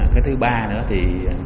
cái thứ ba nữa thì